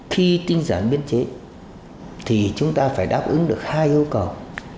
khi tinh giản biên chế thì chúng ta phải đáp ứng được hai yêu cầu